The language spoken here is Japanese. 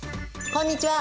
こんにちは！